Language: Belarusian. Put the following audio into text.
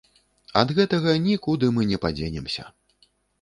Ад гэтага нікуды мы не падзенемся.